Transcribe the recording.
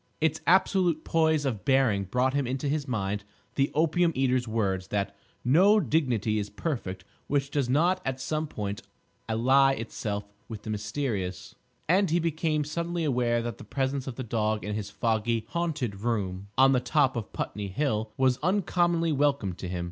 Its absolute poise of bearing brought into his mind the opium eater's words that "no dignity is perfect which does not at some point ally itself with the mysterious"; and he became suddenly aware that the presence of the dog in this foggy, haunted room on the top of Putney Hill was uncommonly welcome to him.